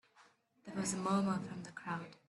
There was a murmur from the crowd.